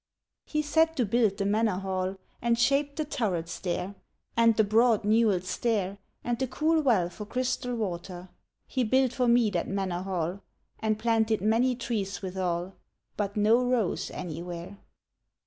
He set to build the manor hall, And shaped the turrets there, And the broad newelled stair, And the cool well for crystal water; He built for me that manor hall, And planted many trees withal, But no rose anywhere.